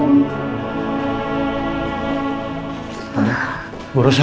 tante gue urus ya